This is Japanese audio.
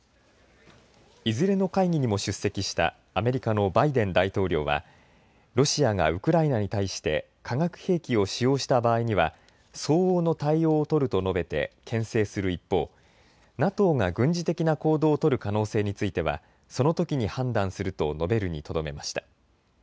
いずれの会議にも出席したアメリカのバイデン大統領はロシアがウクライナに対して化学兵器を使用した場合には相応の対応を取ると述べてけん制する一方、ＮＡＴＯが軍事的な行動を取る可能性についてはそのときに判断すると述べるにとどめました。